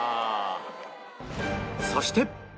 そして